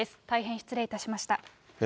大変失礼いたしました。